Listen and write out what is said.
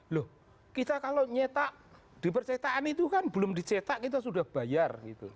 loh kita kalau nyetak di percetaan itu kan belum dicetak kita sudah bayar gitu